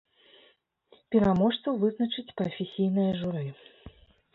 Пераможцаў вызначыць прафесійнае журы.